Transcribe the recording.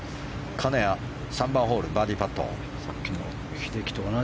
金谷、３番ホールバーディーパット。